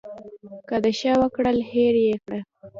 که د ښه وکړل هېر یې کړه .